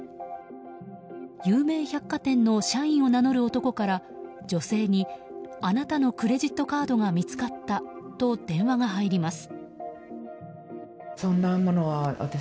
有名百貨店の社員を名乗る男から女性にあなたのクレジットカードが見つかったと電話が入ります。